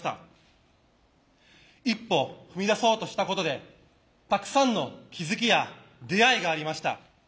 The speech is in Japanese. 一歩踏み出そうとしたことでたくさんの気付きや出会いがありました。